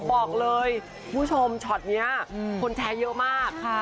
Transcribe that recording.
บอกเลยคุณผู้ชมช็อตนี้คนแชร์เยอะมาก